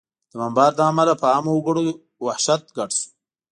د بمبار له امله په عامه وګړو وحشت ګډ شو